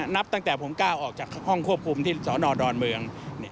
นับตั้งแต่ผมก้าวออกจากห้องควบคุมที่สนดอนเมือง